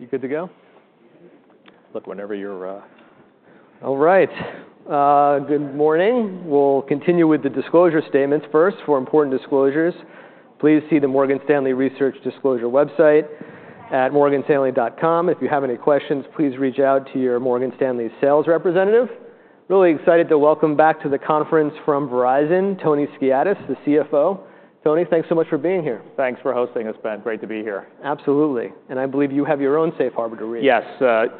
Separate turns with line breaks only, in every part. You good to go?
Yes.
All right. Good morning. We'll continue with the disclosure statements first. For important disclosures, please see the Morgan Stanley Research Disclosure website at morganstanley.com. If you have any questions, please reach out to your Morgan Stanley sales representative. Really excited to welcome back to the conference from Verizon Tony Skiadas, the CFO. Tony, thanks so much for being here.
Thanks for hosting us, Ben. Great to be here.
Absolutely. And I believe you have your own safe harbor to read.
Yes.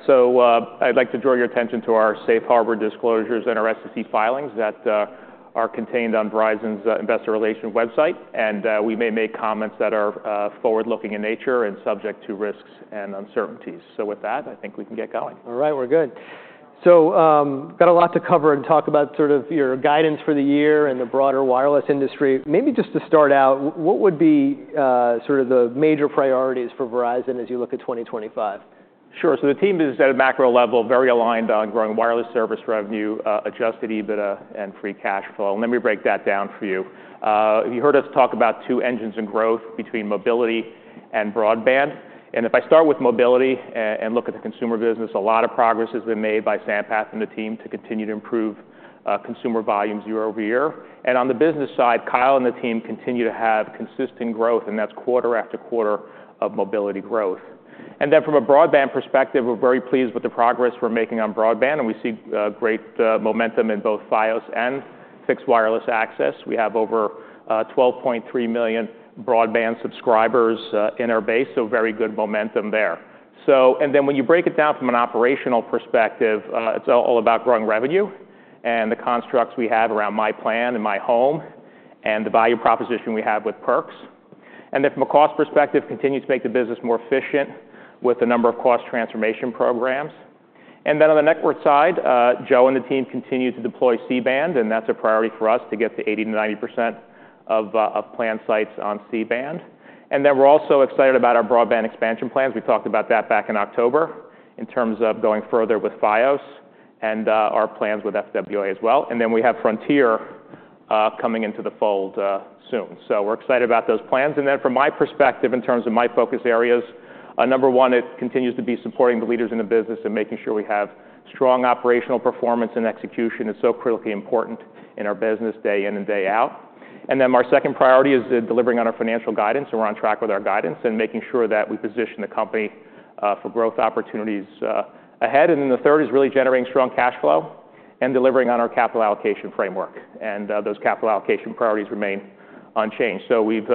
So, I'd like to draw your attention to our safe harbor disclosures and our SEC filings that are contained on Verizon's Investor Relations website. And we may make comments that are forward-looking in nature and subject to risks and uncertainties. So with that, I think we can get going.
All right. We're good. So, got a lot to cover and talk about sort of your guidance for the year and the broader wireless industry. Maybe just to start out, what would be, sort of the major priorities for Verizon as you look at 2025?
Sure. So the team is at a macro level very aligned on growing wireless service revenue, Adjusted EBITDA, and free cash flow. And then we break that down for you. You heard us talk about two engines in growth between mobility and broadband. And if I start with mobility and look at the consumer business, a lot of progress has been made by Sampath and the team to continue to improve consumer volumes year-over-year. And on the business side, Kyle and the team continue to have consistent growth, and that's quarter-after-quarter of mobility growth. And then from a broadband perspective, we're very pleased with the progress we're making on broadband, and we see great momentum in both Fios and Fixed Wireless Access. We have over 12.3 million broadband subscribers in our base, so very good momentum there. and then when you break it down from an operational perspective, it's all about growing revenue and the constructs we have around myPlan and myHome and the value proposition we have with perks. And then from a cost perspective, continue to make the business more efficient with a number of cost transformation programs. And then on the network side, Joe and the team continue to deploy C-Band, and that's a priority for us to get to 80%-90% of planned sites on C-Band. And then we're also excited about our broadband expansion plans. We talked about that back in October in terms of going further with Fios and our plans with FWA as well. And then we have Frontier coming into the fold soon. So we're excited about those plans. And then from my perspective, in terms of my focus areas, number one, it continues to be supporting the leaders in the business and making sure we have strong operational performance and execution. It's so critically important in our business day in and day out. Our second priority is delivering on our financial guidance, and we're on track with our guidance and making sure that we position the company for growth opportunities ahead. The third is really generating strong cash flow and delivering on our capital allocation framework. And those capital allocation priorities remain unchanged. So we've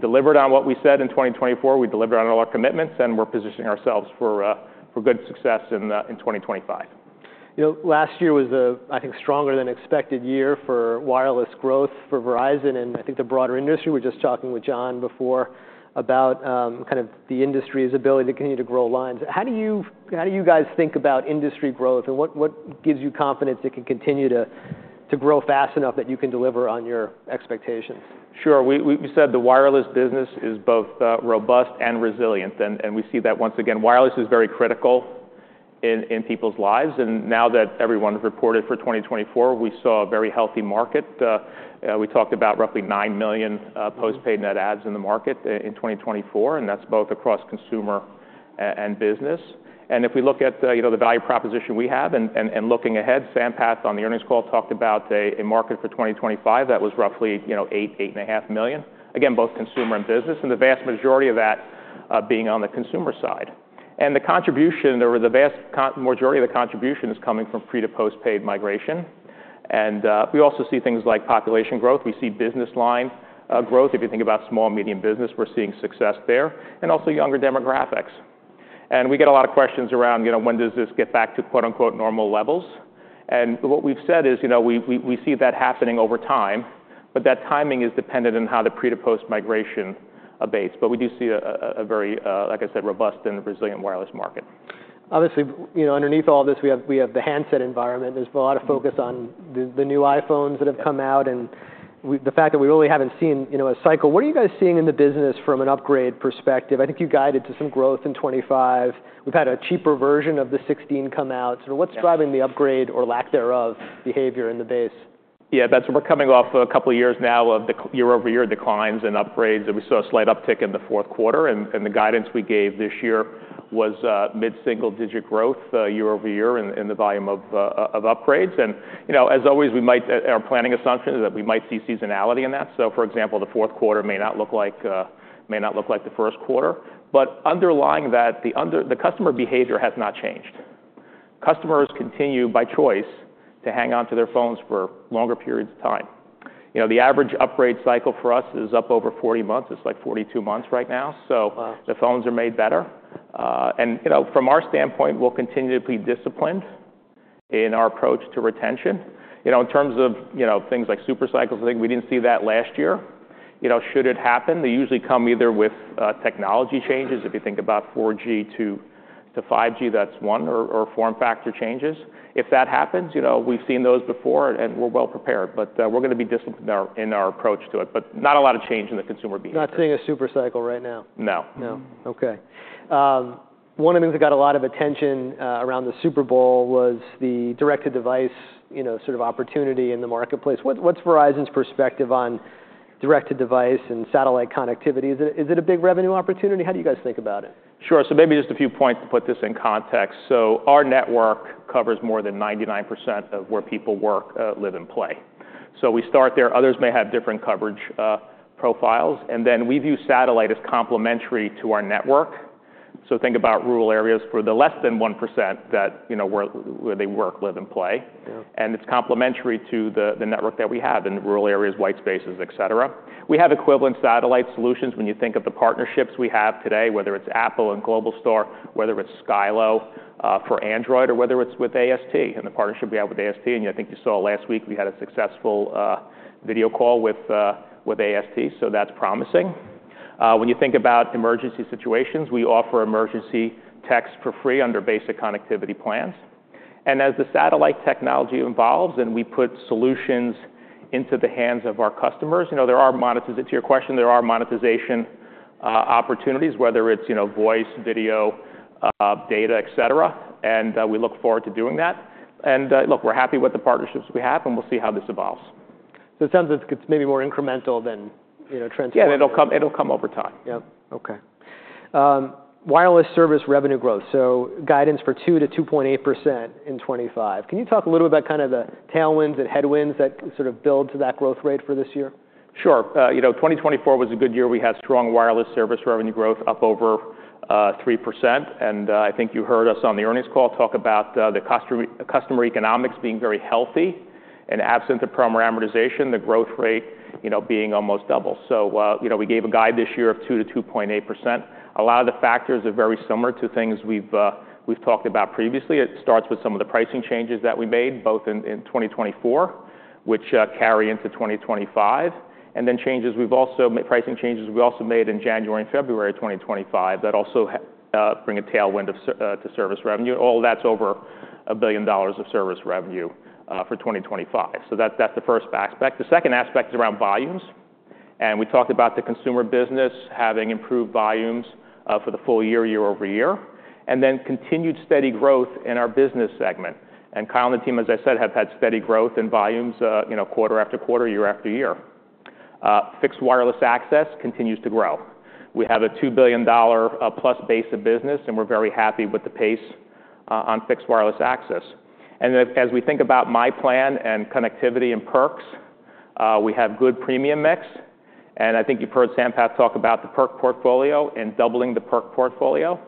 delivered on what we said in 2024. We delivered on all our commitments, and we're positioning ourselves for good success in 2025.
You know, last year was a, I think, stronger-than-expected year for wireless growth for Verizon and, I think, the broader industry. We were just talking with John before about, kind of the industry's ability to continue to grow lines. How do you guys think about industry growth, and what gives you confidence it can continue to grow fast enough that you can deliver on your expectations?
Sure. We said the wireless business is both robust and resilient, and we see that once again. Wireless is very critical in people's lives. Now that everyone's reported for 2024, we saw a very healthy market. We talked about roughly 9 million postpaid net adds in the market in 2024, and that's both across consumer and business. If we look at you know the value proposition we have and looking ahead, Sampath on the earnings call talked about a market for 2025 that was roughly you know 8 million-8.5 million. Again, both consumer and business, and the vast majority of that being on the consumer side. The contribution or the vast majority of the contribution is coming from pre- to postpaid migration. We also see things like population growth. We see business line growth. If you think about small and medium business, we're seeing success there, and also younger demographics, and we get a lot of questions around, you know, when does this get back to, quote-unquote, "normal levels"? And what we've said is, you know, we see that happening over time, but that timing is dependent on how the prepaid to postpaid migration abates, but we do see a very, like I said, robust and resilient wireless market.
Obviously, you know, underneath all this, we have, we have the handset environment. There's been a lot of focus on the new iPhones that have come out, and the fact that we really haven't seen, you know, a cycle. What are you guys seeing in the business from an upgrade perspective? I think you guided to some growth in 2025. We've had a cheaper version of the iPhone 16 come out. So what's driving the upgrade or lack thereof behavior in the base?
Yeah. That's. We're coming off a couple of years now of the year-over-year declines and upgrades, and we saw a slight uptick in the fourth quarter. And the guidance we gave this year was mid-single-digit growth, year-over-year in the volume of upgrades. And, you know, as always, we might. Our planning assumption is that we might see seasonality in that. So, for example, the fourth quarter may not look like the first quarter. But underlying that, the customer behavior has not changed. Customers continue, by choice, to hang on to their phones for longer periods of time. You know, the average upgrade cycle for us is up over 40 months. It's like 42 months right now. So.
Wow.
The phones are made better, and you know, from our standpoint, we'll continue to be disciplined in our approach to retention. You know, in terms of, you know, things like super cycles, I think we didn't see that last year. You know, should it happen, they usually come either with technology changes. If you think about 4G to 5G, that's one, or form factor changes. If that happens, you know, we've seen those before, and we're well prepared, but we're gonna be disciplined in our approach to it, but not a lot of change in the consumer behavior.
Not seeing a super cycle right now?
No.
No. Okay. One of the things that got a lot of attention around the Super Bowl was the direct-to-device, you know, sort of opportunity in the marketplace. What's Verizon's perspective on direct-to-device and satellite connectivity? Is it—is it a big revenue opportunity? How do you guys think about it?
Sure. So maybe just a few points to put this in context. So our network covers more than 99% of where people work, live and play. So we start there. Others may have different coverage, profiles. And then we view satellite as complementary to our network. So think about rural areas for the less than 1% that, you know, where they work, live, and play.
Yeah.
And it's complementary to the network that we have in rural areas, white spaces, etc. We have equivalent satellite solutions. When you think of the partnerships we have today, whether it's Apple and Globalstar, whether it's Skylo for Android, or whether it's with AST and the partnership we have with AST. And I think you saw last week we had a successful video call with AST. So that's promising. When you think about emergency situations, we offer emergency text for free under basic connectivity plans. And as the satellite technology evolves and we put solutions into the hands of our customers, you know, to your question, there are monetization opportunities, whether it's, you know, voice, video, data, etc. And we look forward to doing that. And look, we're happy with the partnerships we have, and we'll see how this evolves.
So it sounds like it's maybe more incremental than, you know, transfer pricing.
Yeah. It'll come, it'll come over time.
Yeah. Okay. Wireless service revenue growth. So guidance for 2%-2.8% in 2025. Can you talk a little bit about kind of the tailwinds and headwinds that sort of build to that growth rate for this year?
Sure. You know, 2024 was a good year. We had strong wireless service revenue growth, up over 3%. And I think you heard us on the earnings call talk about the customer economics being very healthy. And absent of promo amortization, the growth rate, you know, being almost double. So you know, we gave a guide this year of 2%-2.8%. A lot of the factors are very similar to things we've talked about previously. It starts with some of the pricing changes that we made both in 2024, which carry into 2025. And then pricing changes we also made in January and February of 2025 that also bring a tailwind to service revenue. All that's over $1 billion of service revenue for 2025. So that's the first aspect. The second aspect is around volumes. We talked about the consumer business having improved volumes for the full year year-over-year, and then continued steady growth in our business segment. Kyle and the team, as I said, have had steady growth in volumes, you know, quarter-after-quarter, year after year. Fixed wireless access continues to grow. We have a $2 billion+ base of business, and we're very happy with the pace on Fixed Wireless Access. As we think about myPlan and connectivity and perks, we have good premium mix. I think you've heard Sampath talk about the perk portfolio and doubling the perk portfolio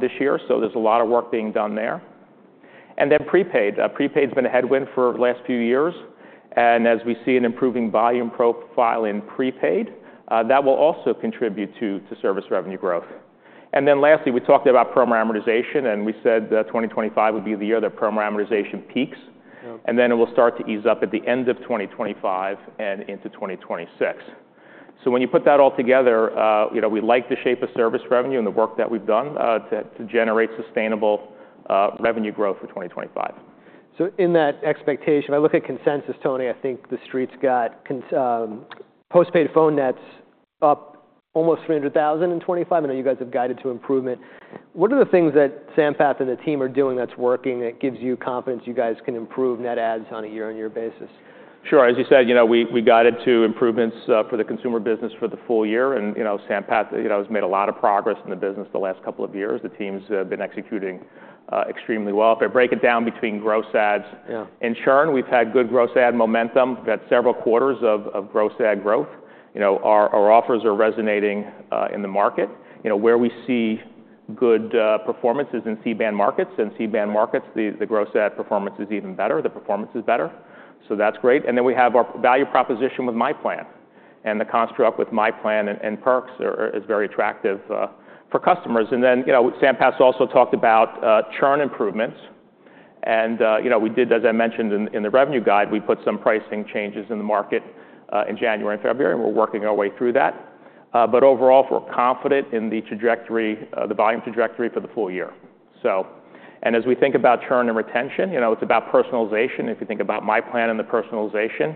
this year. So there's a lot of work being done there. Prepaid. Prepaid's been a headwind for the last few years. As we see an improving volume profile in prepaid, that will also contribute to service revenue growth. Lastly, we talked about promo amortization, and we said 2025 would be the year that permit amortization peaks.
Yeah.
Then it will start to ease up at the end of 2025 and into 2026. When you put that all together, you know, we like the shape of service revenue and the work that we've done to generate sustainable revenue growth for 2025.
So in that expectation, if I look at consensus, Tony, I think the street's got consensus postpaid phone net adds up almost 300,000 in 2025. I know you guys have guided to improvement. What are the things that Sampath and the team are doing that's working that gives you confidence you guys can improve net adds on a year-on-year basis?
Sure. As you said, you know, we guided to improvements for the consumer business for the full year. And, you know, Sampath, you know, has made a lot of progress in the business the last couple of years. The team's been executing extremely well. If I break it down between gross adds.
Yeah.
In churn, we've had good gross add momentum. We've had several quarters of gross add growth. You know, our offers are resonating in the market. You know, where we see good performances in C-Band markets. In C-Band markets, the gross add performance is even better. The performance is better. So that's great. And then we have our value proposition with myPlan. And the construct with myPlan and perks are very attractive for customers. And then, you know, Sampath also talked about churn improvements. And, you know, we did, as I mentioned in the revenue guide, we put some pricing changes in the market in January and February, and we're working our way through that. But overall, we're confident in the trajectory, the volume trajectory for the full year. So and as we think about churn and retention, you know, it's about personalization. If you think about my plan and the personalization,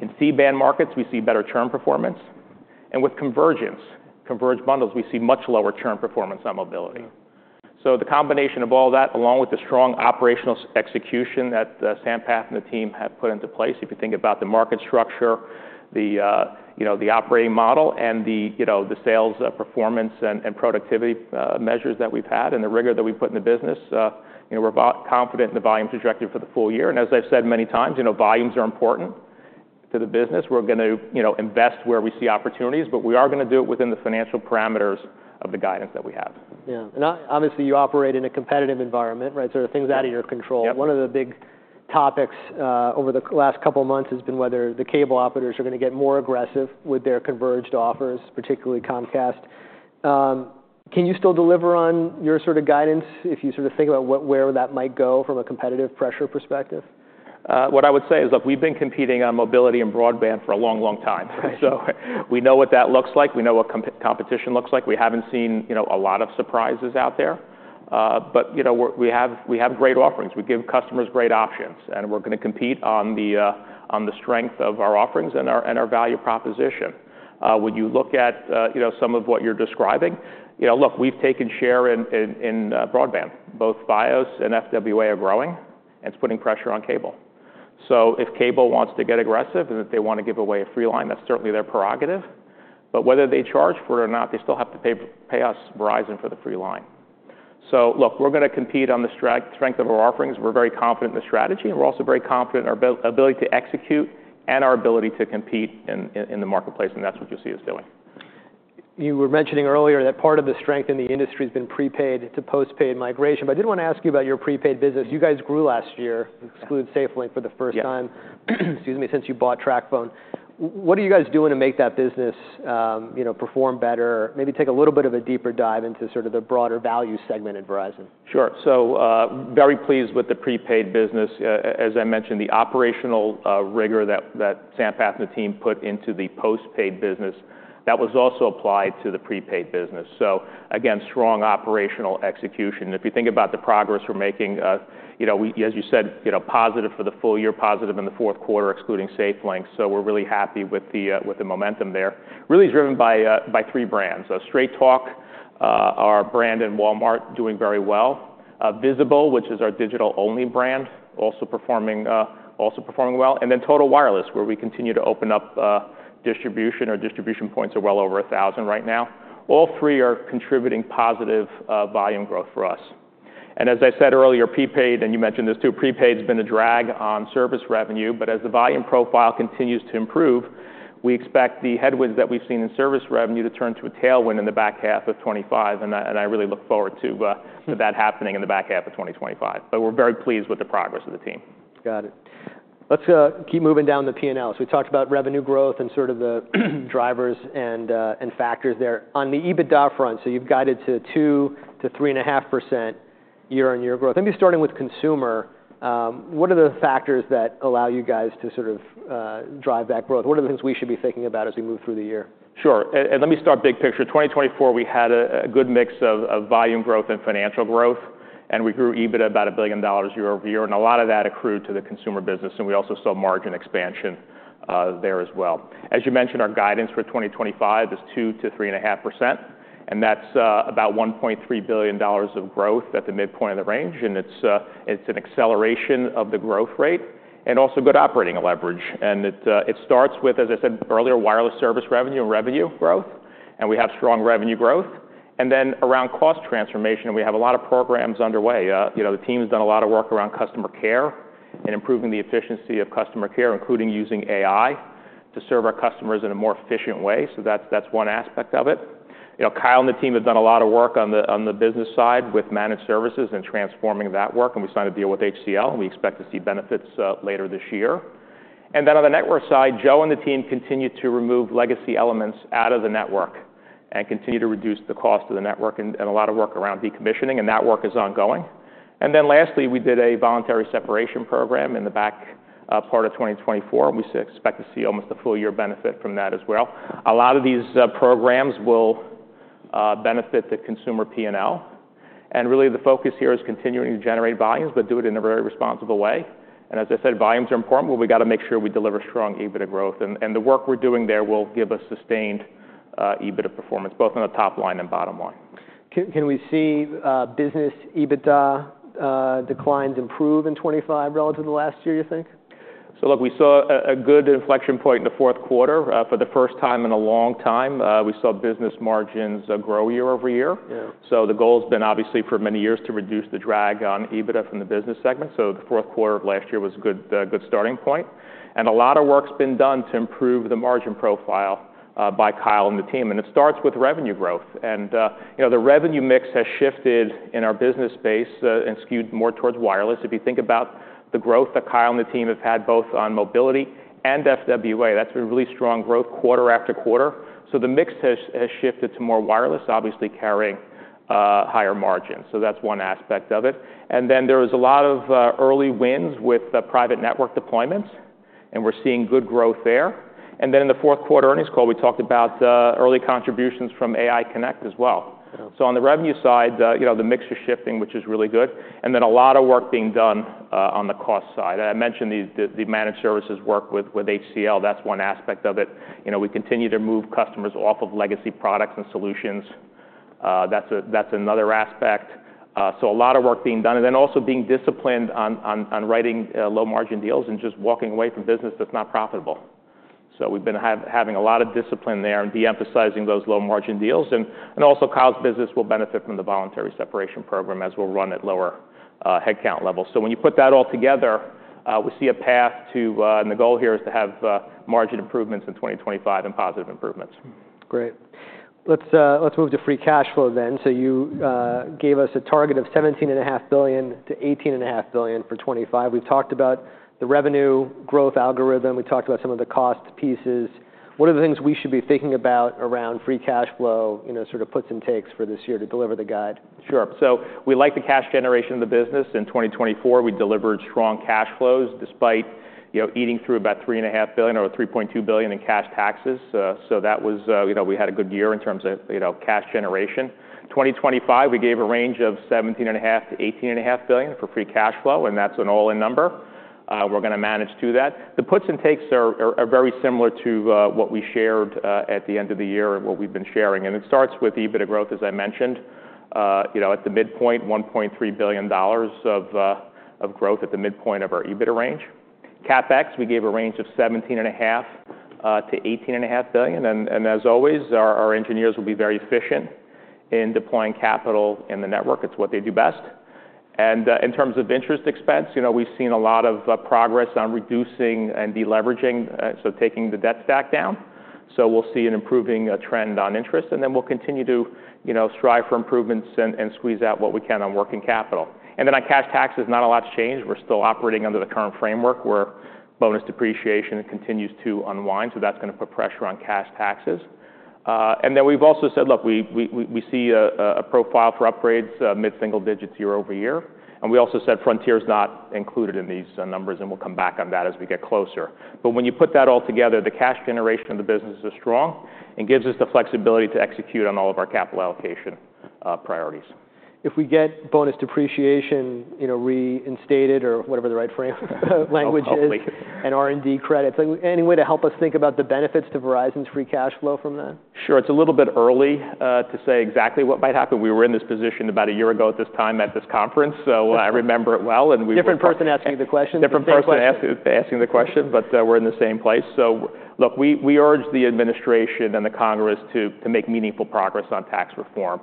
in C-Band markets, we see better churn performance, and with convergence, converged bundles, we see much lower churn performance on mobility.
Yeah.
So the combination of all that, along with the strong operational execution that Sampath and the team have put into place, if you think about the market structure, the, you know, the operating model, and the, you know, the sales, performance and productivity measures that we've had, and the rigor that we put in the business, you know, we're confident in the volume trajectory for the full year. And as I've said many times, you know, volumes are important to the business. We're gonna, you know, invest where we see opportunities, but we are gonna do it within the financial parameters of the guidance that we have.
Yeah. And obviously, you operate in a competitive environment, right? So there are things out of your control.
Yep.
One of the big topics, over the last couple of months has been whether the cable operators are gonna get more aggressive with their converged offers, particularly Comcast. Can you still deliver on your sort of guidance if you sort of think about what, where that might go from a competitive pressure perspective?
What I would say is, look, we've been competing on mobility and broadband for a long, long time.
Right.
So we know what that looks like. We know what competition looks like. We haven't seen, you know, a lot of surprises out there. But, you know, we have great offerings. We give customers great options, and we're gonna compete on the strength of our offerings and our value proposition. When you look at, you know, some of what you're describing, you know, look, we've taken share in broadband. Both Fios and FWA are growing, and it's putting pressure on cable. So if cable wants to get aggressive and if they wanna give away a free line, that's certainly their prerogative. But whether they charge for it or not, they still have to pay for, pay us, Verizon, for the free line. So, look, we're gonna compete on the strength of our offerings. We're very confident in the strategy, and we're also very confident in our ability to execute and our ability to compete in the marketplace, and that's what you'll see us doing.
You were mentioning earlier that part of the strength in the industry has been prepaid to postpaid migration. But I did wanna ask you about your prepaid business. You guys grew last year, exclude SafeLink for the first time.
Yeah.
Excuse me, since you bought TracFone. What are you guys doing to make that business, you know, perform better? Maybe take a little bit of a deeper dive into sort of the broader value segment at Verizon.
Sure. So, very pleased with the prepaid business. As I mentioned, the operational rigor that Sampath and the team put into the postpaid business, that was also applied to the prepaid business. So, again, strong operational execution. If you think about the progress we're making, you know, we, as you said, you know, positive for the full year, positive in the fourth quarter, excluding SafeLink. So we're really happy with the momentum there. Really driven by three brands. Straight Talk, our brand in Walmart, doing very well. Visible, which is our digital-only brand, also performing well. And then Total Wireless, where we continue to open up distribution points are well over 1,000 right now. All three are contributing positive volume growth for us. And as I said earlier, prepaid, and you mentioned this too, prepaid's been a drag on service revenue. But as the volume profile continues to improve, we expect the headwinds that we've seen in service revenue to turn to a tailwind in the back half of 2025. And I really look forward to that happening in the back half of 2025. But we're very pleased with the progress of the team.
Got it. Let's keep moving down the P&Ls. We talked about revenue growth and sort of the drivers and factors there. On the EBITDA front, so you've guided to 2%-3.5% year-on-year growth. Let me start in with consumer. What are the factors that allow you guys to sort of drive that growth? What are the things we should be thinking about as we move through the year?
Sure. And let me start big picture. 2024, we had a good mix of volume growth and financial growth, and we grew EBITDA about $1 billion year-over-year. And a lot of that accrued to the consumer business, and we also saw margin expansion there as well. As you mentioned, our guidance for 2025 is 2%-3.5%. And that's about $1.3 billion of growth at the midpoint of the range. And it's an acceleration of the growth rate and also good operating leverage. And it starts with, as I said earlier, wireless service revenue and revenue growth. And we have strong revenue growth. And then around cost transformation, we have a lot of programs underway. You know, the team's done a lot of work around customer care and improving the efficiency of customer care, including using AI to serve our customers in a more efficient way. So that's, that's one aspect of it. You know, Kyle and the team have done a lot of work on the business side with managed services and transforming that work. And we signed a deal with HCL, and we expect to see benefits later this year. And then on the network side, Joe and the team continue to remove legacy elements out of the network and continue to reduce the cost of the network. And a lot of work around decommissioning, and that work is ongoing. And then lastly, we did a voluntary separation program in the latter part of 2024, and we expect to see almost a full-year benefit from that as well. A lot of these programs will benefit the consumer P&L. And really, the focus here is continuing to generate volumes, but do it in a very responsible way. And as I said, volumes are important, but we gotta make sure we deliver strong EBITDA growth. And the work we're doing there will give us sustained EBITDA performance, both on the top line and bottom line.
Can we see business EBITDA declines improve in 2025 relative to last year, you think?
Look, we saw a good inflection point in the fourth quarter. For the first time in a long time, we saw business margins grow year-over-year.
Yeah.
So the goal's been, obviously, for many years to reduce the drag on EBITDA from the business segment. So the fourth quarter of last year was a good, good starting point. And a lot of work's been done to improve the margin profile, by Kyle and the team. And it starts with revenue growth. And, you know, the revenue mix has shifted in our business space, and skewed more towards wireless. If you think about the growth that Kyle and the team have had both on mobility and FWA, that's been really strong growth quarter-after-quarter. So the mix has shifted to more wireless, obviously carrying higher margins. So that's one aspect of it. And then there was a lot of early wins with private network deployments, and we're seeing good growth there. Then in the fourth quarter earnings call, we talked about early contributions from AI Connect as well.
Yeah.
So on the revenue side, you know, the mix is shifting, which is really good, and then a lot of work being done on the cost side. I mentioned the managed services work with HCL. That's one aspect of it. You know, we continue to move customers off of legacy products and solutions. That's another aspect, so a lot of work being done. And then also being disciplined on writing low-margin deals and just walking away from business that's not profitable. So we've been having a lot of discipline there and de-emphasizing those low-margin deals. And also, Kyle's business will benefit from the voluntary separation program as we'll run at lower headcount levels. So when you put that all together, we see a path to, and the goal here is to have, margin improvements in 2025 and positive improvements.
Great. Let's, let's move to free cash flow then. So you, gave us a target of $17.5 billion-$18.5 billion for 2025. We've talked about the revenue growth algorithm. We talked about some of the cost pieces. What are the things we should be thinking about around free cash flow, you know, sort of puts and takes for this year to deliver the guide?
Sure. So we like the cash generation of the business. In 2024, we delivered strong cash flows despite, you know, eating through about $3.5 billion or $3.2 billion in cash taxes. So that was, you know, we had a good year in terms of, you know, cash generation. 2025, we gave a range of $17.5 billion-$18.5 billion for free cash flow, and that's an all-in number. We're gonna manage through that. The puts and takes are very similar to what we shared at the end of the year and what we've been sharing. And it starts with EBITDA growth, as I mentioned. You know, at the midpoint, $1.3 billion of growth at the midpoint of our EBITDA range. CapEx, we gave a range of $17.5 billion-$18.5 billion. And as always, our engineers will be very efficient in deploying capital in the network. It's what they do best. In terms of interest expense, you know, we've seen a lot of progress on reducing and deleveraging, so taking the debt stack down. So we'll see an improving trend on interest. And then we'll continue to, you know, strive for improvements and squeeze out what we can on working capital. And then on cash taxes, not a lot's changed. We're still operating under the current framework where bonus depreciation continues to unwind. So that's gonna put pressure on cash taxes. And then we've also said, look, we see a profile for upgrades, mid-single digits year-over-year. And we also said Frontier's not included in these numbers, and we'll come back on that as we get closer. But when you put that all together, the cash generation of the business is strong and gives us the flexibility to execute on all of our capital allocation priorities.
If we get bonus depreciation, you know, reinstated or whatever the right framing language is.
Probably.
R&D credits, any way to help us think about the benefits to Verizon's free cash flow from that?
Sure. It's a little bit early to say exactly what might happen. We were in this position about a year ago at this time at this conference, so I remember it well. And we've.
Different person asking the question.
Different person asking the question, but we're in the same place, so look, we urge the administration and the Congress to make meaningful progress on tax reform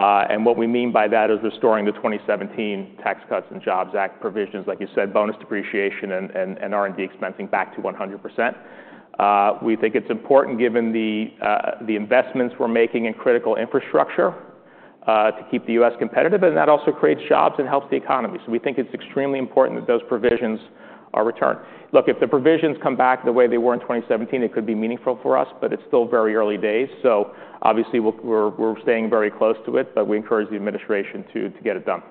and what we mean by that is restoring the 2017 Tax Cuts and Jobs Act provisions, like you said, bonus depreciation and R&D expensing back to 100%. We think it's important, given the investments we're making in critical infrastructure, to keep the U.S. competitive, and that also creates jobs and helps the economy, so we think it's extremely important that those provisions are returned. Look, if the provisions come back the way they were in 2017, it could be meaningful for us, but it's still very early days, so obviously, we're staying very close to it, but we encourage the administration to get it done.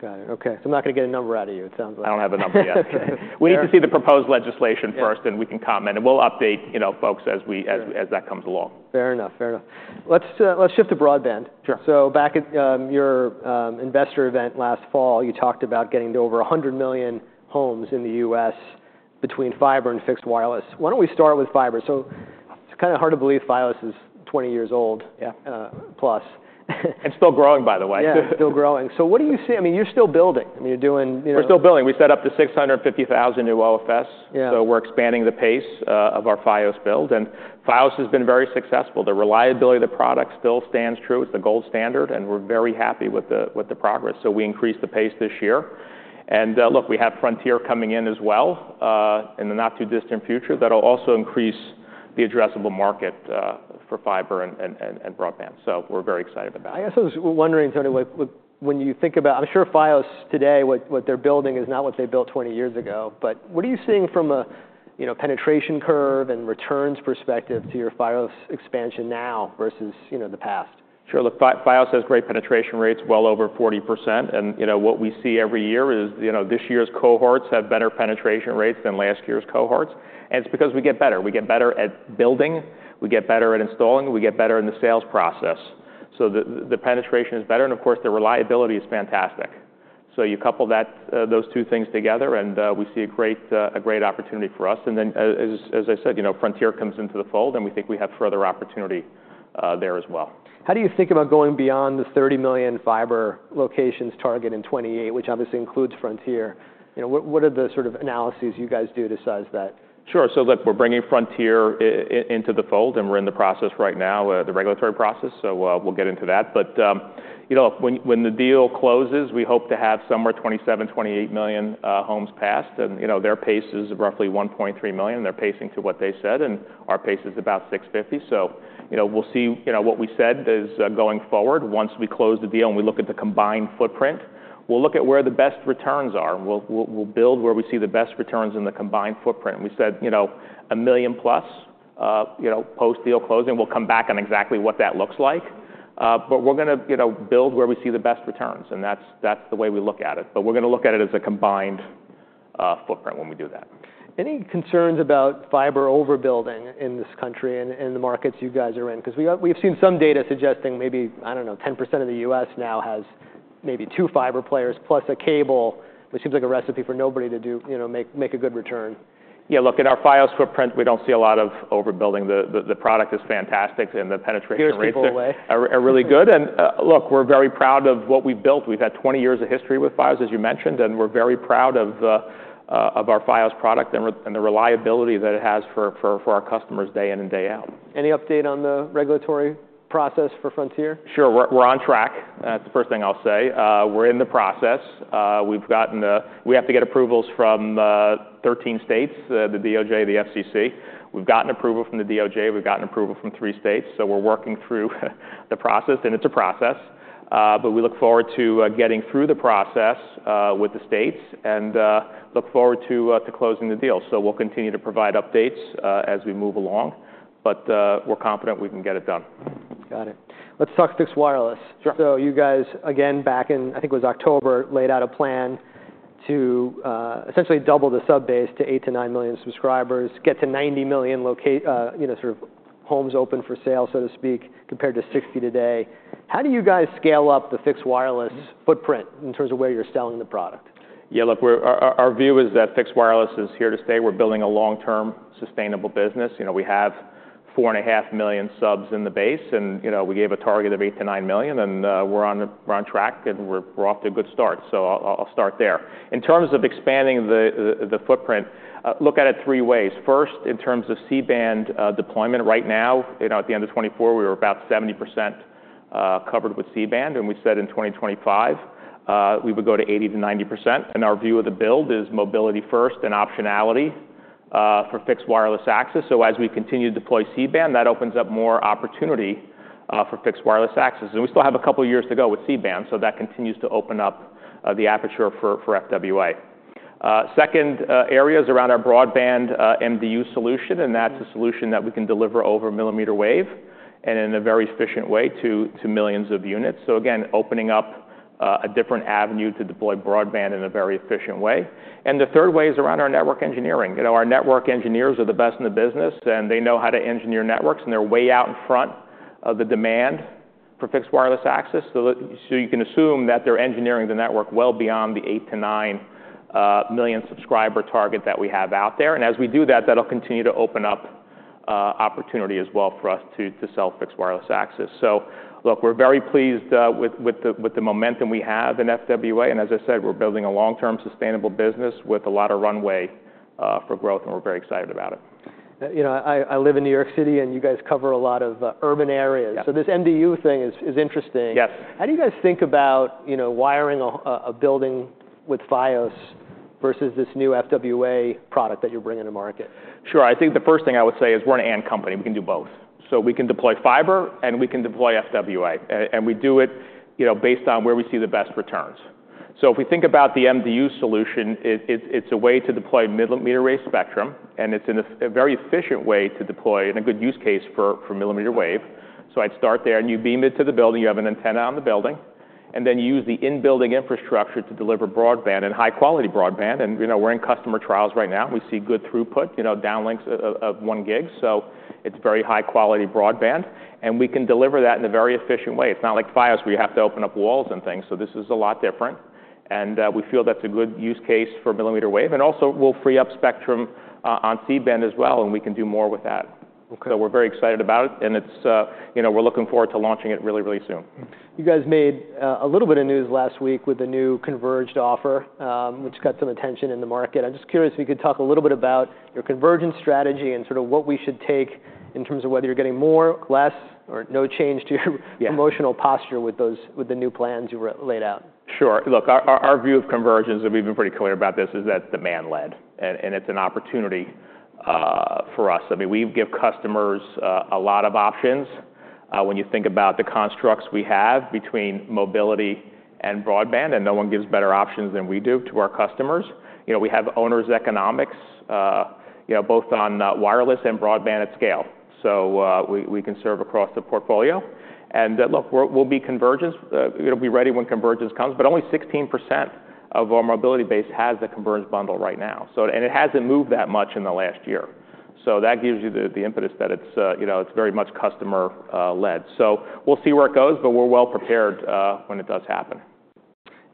Got it. Okay. So I'm not gonna get a number out of you, it sounds like.
I don't have a number yet.
Okay.
We need to see the proposed legislation first, and we can comment. And we'll update, you know, folks as we, as that comes along.
Fair enough. Fair enough. Let's, let's shift to broadband.
Sure.
So back at your investor event last fall, you talked about getting to over 100 million homes in the U.S. between fiber and fixed wireless. Why don't we start with fiber? So it's kinda hard to believe Fios is 20 years old.
Yeah.
plus.
Still growing, by the way.
Yeah. Still growing. So what do you see? I mean, you're still building. I mean, you're doing, you know.
We're still building. We set up to 650,000 new OFS.
Yeah.
So we're expanding the pace of our Fios build. Fios has been very successful. The reliability of the product still stands true. It's the gold standard. We're very happy with the progress. We increased the pace this year. Look, we have Frontier coming in as well. In the not-too-distant future, that'll also increase the addressable market for fiber and broadband. We're very excited about it.
I guess I was wondering, Tony, what, when you think about, I'm sure Fios today, what they're building is not what they built 20 years ago. But what are you seeing from a, you know, penetration curve and returns perspective to your Fios expansion now versus, you know, the past?
Sure. Look, Fios has great penetration rates, well over 40%. And, you know, what we see every year is, you know, this year's cohorts have better penetration rates than last year's cohorts. And it's because we get better. We get better at building. We get better at installing. We get better in the sales process. So the penetration is better. And, of course, the reliability is fantastic. So you couple that, those two things together, and, we see a great opportunity for us. And then, as I said, you know, Frontier comes into the fold, and we think we have further opportunity there as well.
How do you think about going beyond the 30 million fiber locations target in 2028, which obviously includes Frontier? You know, what, what are the sort of analyses you guys do to size that?
Sure. So, look, we're bringing Frontier into the fold, and we're in the process right now, the regulatory process. So, we'll get into that. But, you know, when the deal closes, we hope to have somewhere 27-28 million homes passed. And, you know, their pace is roughly 1.3 million. They're pacing to what they said, and our pace is about 650. So, you know, we'll see, you know, what we said is, going forward. Once we close the deal and we look at the combined footprint, we'll look at where the best returns are. We'll build where we see the best returns in the combined footprint. We said, you know, 1 million+, you know, post-deal closing. We'll come back on exactly what that looks like. But we're gonna, you know, build where we see the best returns. And that's, that's the way we look at it. But we're gonna look at it as a combined footprint when we do that.
Any concerns about fiber overbuilding in this country and the markets you guys are in? 'Cause we got, we've seen some data suggesting maybe, I don't know, 10% of the U.S. now has maybe two fiber players plus a cable, which seems like a recipe for nobody to do, you know, make a good return.
Yeah. Look, in our Fios footprint, we don't see a lot of overbuilding. The product is fantastic, and the penetration rates.
Here's a cool way.
Are really good. And look, we're very proud of what we've built. We've had 20 years of history with Fios, as you mentioned. And we're very proud of our Fios product and the reliability that it has for our customers day in and day out.
Any update on the regulatory process for Frontier?
Sure. We're on track. That's the first thing I'll say. We're in the process. We've gotten. We have to get approvals from 13 states, the DOJ, the FCC. We've gotten approval from the DOJ. We've gotten approval from three states. So we're working through the process, and it's a process. But we look forward to getting through the process with the states and look forward to closing the deal. So we'll continue to provide updates as we move along. But we're confident we can get it done.
Got it. Let's talk fixed wireless.
Sure.
So you guys, again, back in, I think it was October, laid out a plan to, essentially double the subscriber base to 8 million-9 million subscribers, get to 90 million locations, you know, sort of homes open for sale, so to speak, compared to 60 today. How do you guys scale up the fixed wireless footprint in terms of where you're selling the product?
Yeah. Look, our view is that fixed wireless is here to stay. We're building a long-term sustainable business. You know, we have 4.5 million subs in the base. And you know, we gave a target of 8 million-9 million. And we're on track, and we're off to a good start. So I'll start there. In terms of expanding the footprint, look at it three ways. First, in terms of C-Band deployment right now, you know, at the end of 2024, we were about 70% covered with C-Band. And we said in 2025, we would go to 80%-90%. And our view of the build is mobility first and optionality for Fixed Wireless Access. So as we continue to deploy C-Band, that opens up more opportunity for Fixed Wireless Access. We still have a couple of years to go with C-Band. That continues to open up the aperture for FWA. The second area is around our broadband MDU solution. That's a solution that we can deliver over millimeter wave and in a very efficient way to millions of units. Again, opening up a different avenue to deploy broadband in a very efficient way. The third way is around our network engineering. You know, our network engineers are the best in the business, and they know how to engineer networks. They're way out in front of the demand for Fixed Wireless Access. You can assume that they're engineering the network well beyond the 8 million-9 million subscriber target that we have out there. And as we do that, that'll continue to open up opportunity as well for us to sell Fixed Wireless Access. So, look, we're very pleased with the momentum we have in FWA. And as I said, we're building a long-term sustainable business with a lot of runway for growth. And we're very excited about it.
You know, I live in New York City, and you guys cover a lot of urban areas.
Yeah.
So this MDU thing is interesting.
Yes.
How do you guys think about, you know, wiring a building with Fios versus this new FWA product that you're bringing to market?
Sure. I think the first thing I would say is we're an AND company. We can do both, so we can deploy fiber, and we can deploy FWA, and we do it, you know, based on where we see the best returns, so if we think about the MDU solution, it's a way to deploy millimeter wave spectrum, and it's in a very efficient way to deploy and a good use case for millimeter wave, so I'd start there, and you beam it to the building. You have an antenna on the building, and then you use the in-building infrastructure to deliver broadband and high-quality broadband, and you know, we're in customer trials right now. We see good throughput, you know, downlinks of one gig, so it's very high-quality broadband, and we can deliver that in a very efficient way. It's not like Fios where you have to open up walls and things. So this is a lot different. And we feel that's a good use case for millimeter wave. And also, we'll free up spectrum on C-Band as well. And we can do more with that.
Okay.
So we're very excited about it. And it's, you know, we're looking forward to launching it really, really soon.
You guys made a little bit of news last week with a new converged offer, which got some attention in the market. I'm just curious if you could talk a little bit about your convergence strategy and sort of what we should take in terms of whether you're getting more, less, or no change to your.
Yeah.
Promotional posture with those, with the new plans you laid out.
Sure. Look, our view of convergence, and we've been pretty clear about this, is that demand-led, and it's an opportunity for us. I mean, we give customers a lot of options. When you think about the constructs we have between mobility and broadband, and no one gives better options than we do to our customers. You know, we have owner's economics, you know, both on wireless and broadband at scale. So we can serve across the portfolio, and look, we'll be ready when convergence comes. But only 16% of our mobility base has the converged bundle right now, so it hasn't moved that much in the last year. So that gives you the impetus that it's, you know, it's very much customer-led. So we'll see where it goes, but we're well prepared when it does happen.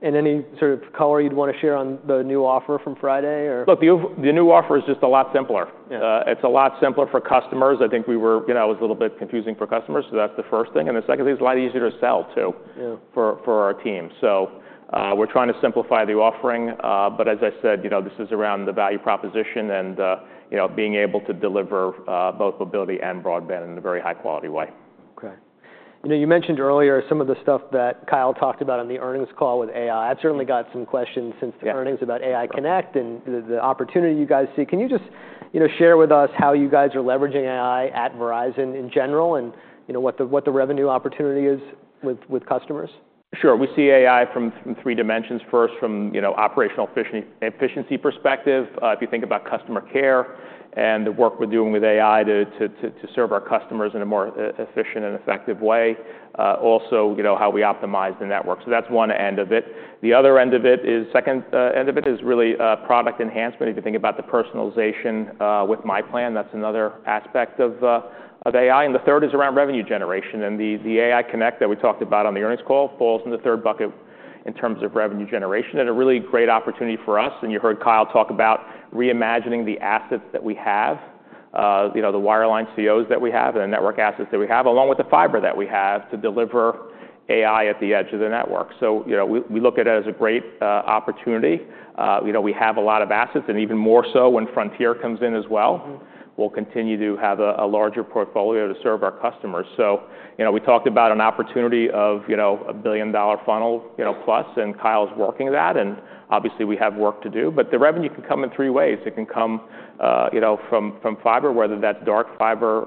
Any sort of color you'd wanna share on the new offer from Friday or?
Look, the new offer is just a lot simpler.
Yeah.
It's a lot simpler for customers. I think we were, you know, it was a little bit confusing for customers. So that's the first thing, and the second thing is a lot easier to sell too.
Yeah.
For our team. We're trying to simplify the offering. But as I said, you know, this is around the value proposition and, you know, being able to deliver both mobility and broadband in a very high-quality way.
Okay. You know, you mentioned earlier some of the stuff that Kyle talked about on the earnings call with AI. I've certainly got some questions since the earnings about AI Connect and the opportunity you guys see. Can you just, you know, share with us how you guys are leveraging AI at Verizon in general and, you know, what the revenue opportunity is with customers?
Sure. We see AI from three dimensions. First, from you know, operational efficiency perspective, if you think about customer care and the work we're doing with AI to serve our customers in a more efficient and effective way. Also, you know, how we optimize the network. So that's one end of it. The other end of it is second end of it is really product enhancement. If you think about the personalization with my plan, that's another aspect of AI. And the third is around revenue generation. And the AI Connect that we talked about on the earnings call falls in the third bucket in terms of revenue generation. And a really great opportunity for us. You heard Kyle talk about reimagining the assets that we have, you know, the wireline COs that we have and the network assets that we have, along with the fiber that we have to deliver AI at the edge of the network. We look at it as a great opportunity. You know, we have a lot of assets, and even more so when Frontier comes in as well.
Mm-hmm.
We'll continue to have a larger portfolio to serve our customers. So, you know, we talked about an opportunity of, you know, a $1 billion funnel, you know, plus. And Kyle's working that. And obviously, we have work to do. But the revenue can come in three ways. It can come, you know, from fiber, whether that's dark fiber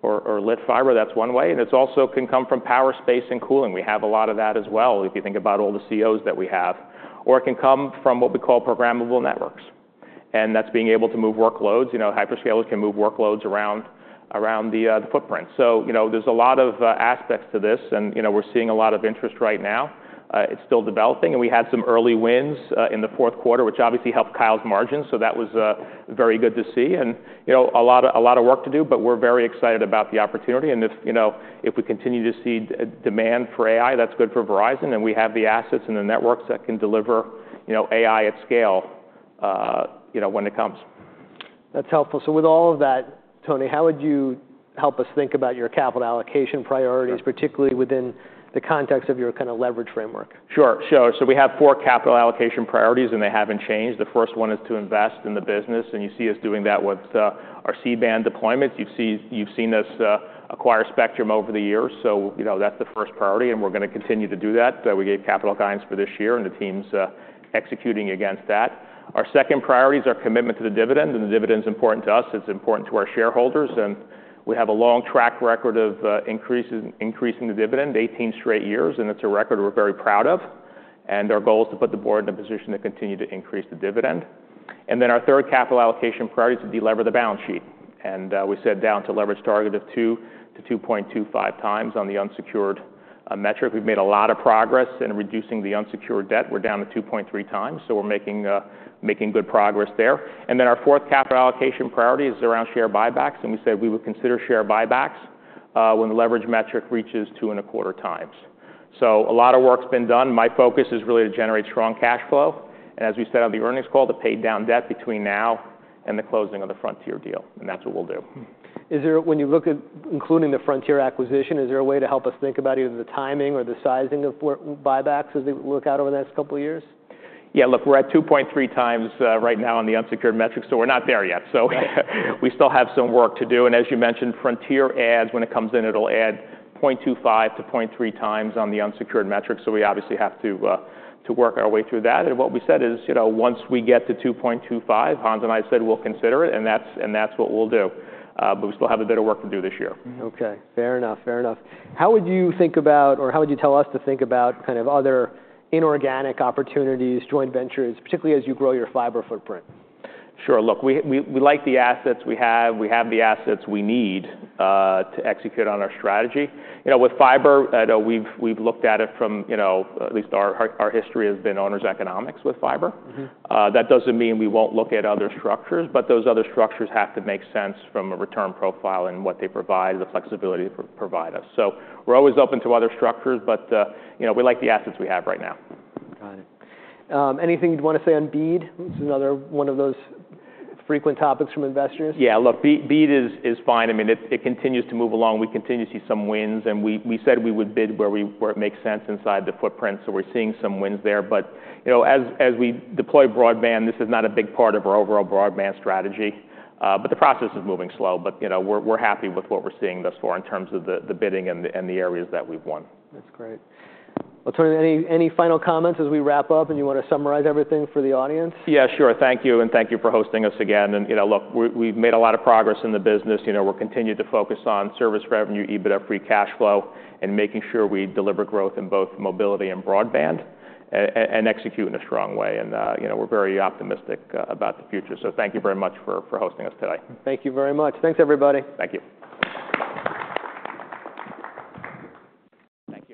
or lit fiber. That's one way. And it also can come from power space and cooling. We have a lot of that as well if you think about all the COs that we have. Or it can come from what we call programmable networks. And that's being able to move workloads. You know, hyperscalers can move workloads around the footprint. So, you know, there's a lot of aspects to this. And, you know, we're seeing a lot of interest right now. It's still developing. We had some early wins in the fourth quarter, which obviously helped Kyle's margins. That was very good to see. You know, a lot of, a lot of work to do. We're very excited about the opportunity. If, you know, if we continue to see demand for AI, that's good for Verizon. We have the assets and the networks that can deliver, you know, AI at scale, you know, when it comes.
That's helpful. So with all of that, Tony, how would you help us think about your capital allocation priorities, particularly within the context of your kind of leverage framework?
Sure. So we have four capital allocation priorities, and they haven't changed. The first one is to invest in the business. And you see us doing that with our C-Band deployments. You've seen us acquire spectrum over the years. So, you know, that's the first priority. And we're gonna continue to do that. We gave capital guidance for this year. And the team's executing against that. Our second priority is our commitment to the dividend. And the dividend's important to us. It's important to our shareholders. And we have a long track record of increasing the dividend 18 straight years. And it's a record we're very proud of. And our goal is to put the board in a position to continue to increase the dividend. And then our third capital allocation priority is to delever the balance sheet. We said down to leverage target of 2x-2.25x on the unsecured debt metric. We've made a lot of progress in reducing the unsecured debt. We're down to 2.3x. So we're making good progress there. And then our fourth capital allocation priority is around share buybacks. And we said we would consider share buybacks when the leverage metric reaches 2 and a quarter times. So a lot of work's been done. My focus is really to generate strong cash flow. And as we said on the earnings call, to pay down debt between now and the closing of the Frontier deal. And that's what we'll do.
When you look at including the Frontier acquisition, is there a way to help us think about either the timing or the sizing of buybacks as we look out over the next couple of years?
Yeah. Look, we're at 2.3x right now on the unsecured metric. So we're not there yet. So we still have some work to do. And as you mentioned, Frontier adds, when it comes in, it'll add 0.25x-0.3x on the unsecured metric. So we obviously have to work our way through that. And what we said is, you know, once we get to 2.25x, Hans and I said we'll consider it. And that's what we'll do. But we still have a bit of work to do this year.
Okay. Fair enough. Fair enough. How would you think about, or how would you tell us to think about kind of other inorganic opportunities, joint ventures, particularly as you grow your fiber footprint?
Sure. Look, we like the assets we have. We have the assets we need to execute on our strategy. You know, with fiber, I know we've looked at it from, you know, at least our history has been owner's economics with fiber.
Mm-hmm.
That doesn't mean we won't look at other structures. But those other structures have to make sense from a return profile and what they provide and the flexibility to provide us. So we're always open to other structures. But, you know, we like the assets we have right now.
Got it. Anything you'd wanna say on BEAD? This is another one of those frequent topics from investors.
Yeah. Look, BEAD is fine. I mean, it continues to move along. We continue to see some wins. And we said we would bid where it makes sense inside the footprint. So we're seeing some wins there. But, you know, as we deploy broadband, this is not a big part of our overall broadband strategy, but the process is moving slow. But, you know, we're happy with what we're seeing thus far in terms of the bidding and the areas that we've won.
That's great. Well, Tony, any final comments as we wrap up and you wanna summarize everything for the audience?
Yeah. Sure. Thank you. And thank you for hosting us again. And, you know, look, we've made a lot of progress in the business. You know, we'll continue to focus on service revenue, EBITDA, free cash flow, and making sure we deliver growth in both mobility and broadband, and execute in a strong way. And, you know, we're very optimistic about the future. So thank you very much for hosting us today.
Thank you very much. Thanks, everybody.
Thank you.